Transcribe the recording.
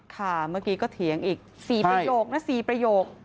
ค่ะเมื่อกี้ก็เถียงอีก๔ประโยคนะ๔ประโยค